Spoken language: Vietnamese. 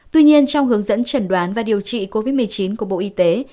tuy nhiên trong hướng dẫn chẩn đoán và điều trị covid một mươi chín của bộ y tế